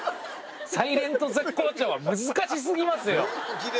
サイレント絶好調は難し過ぎますよ。